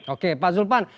oke pak zulfan